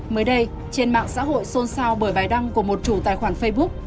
mới đây trên mạng xã hội xôn xao bởi bài đăng của một chủ tài khoản facebook